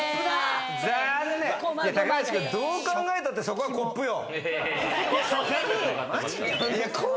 高橋君、どう考えたって、そこはコップよ。